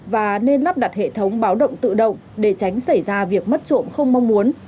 và nên lắp đặt hệ thống báo động tự động để tránh xảy ra việc mất trộm không mong muốn